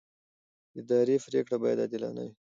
اداري پرېکړه باید عادلانه وي.